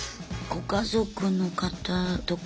ご家族の方とかは。